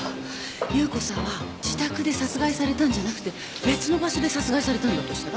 夕子さんは自宅で殺害されたんじゃなくて別の場所で殺害されたんだとしたら？